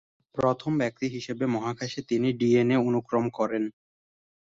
প্রথম ব্যক্তি হিসেবে মহাকাশে তিনি ডিএনএ অনুক্রম করেন।